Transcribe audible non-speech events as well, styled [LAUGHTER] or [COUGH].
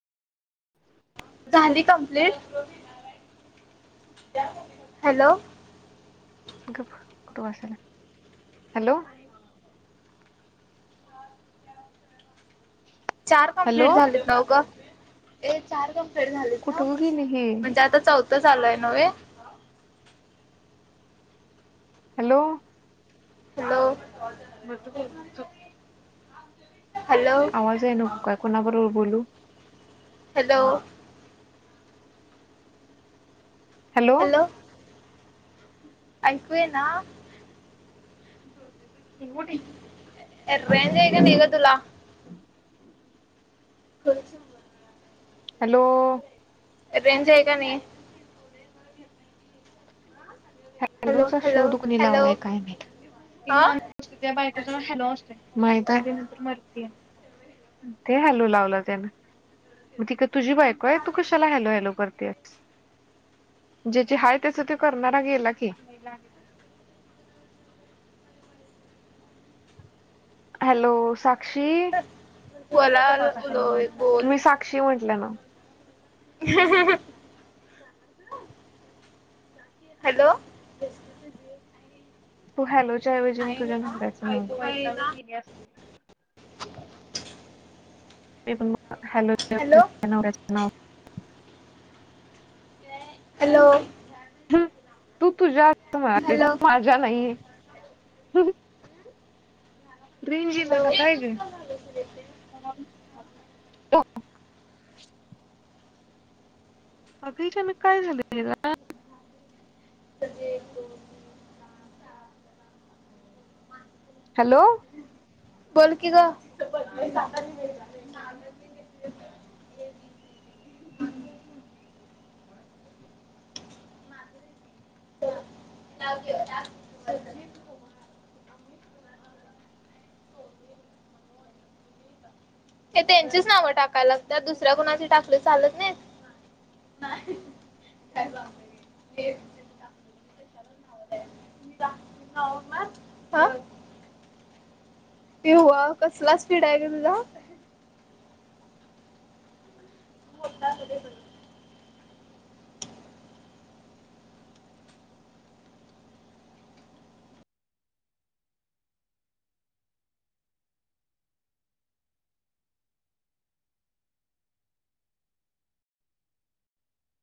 झाली complete hello [UNINTELLIGIBLE] hello चार complete hello झाले ना उग ये चार क- झालीत कुठ नव ग गेली ही म्हणजे आता चौथं चालू ये ना नव्ह हे. हॅलो हॅलो [INAUDIBLE] हॅलो आवाज [INAUDIBLE] कुणा बरोबर बोलू? हॅलो हॅलो ऐकूय ना [INAUDIBLE] ये रेंज आहे का नाही गं तूला? हो [INAUDIBLE] हॅलो रेंज आहे का नाही हॅलो हॅलोचा शो हॅलो दुखणी हॅलो लावलाय काय माहीत एक हा माणूस असते त्या बायकोच नाव हॅला असते माहीती आहे त्याच्या नंतर मरतीया. ते हॅलो लावलं त्यान. मग ती का तुझी बायको ये तू कशाला हॅलो हॅलो करतेस. ज्या जिथे हाय त्याच ते करणारा गेला की [UNINTELLIGIBLE] हॅलो साक्षी बोला तू का आता हॅलो बोल म्हणतीस बोल मी साक्षी म्हंटलं ना ह [INAUDIBLE] हॅलो तू हॅलोच्याऐवजी मग आहे तुझ्या नवऱ्याचे ऐकू नाव का वैतागून येईना गेलीयास ण म हॅलो हॅलो तू तुझस्त हॅलो मझ या नाहीे. रिंज येईना का काय गं हॅलो अगचानक काय झालं? सज हॅलो बोल की ग हव हे त्यांचीच नावं टाकायला लागतात दुसऱ्या कुणाचे टाकले चालत नाहीत. नाही हे मा ह ते नवं कसला स्पीड आहे का तुझा मोडा क ब